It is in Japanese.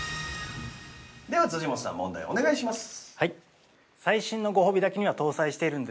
◆では、辻本さん問題お願いします。